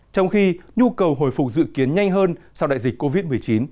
trong khi nhu cầu hồi phục dự kiến nhanh hơn sau đại dịch covid một mươi chín